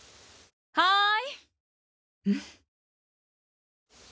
はい。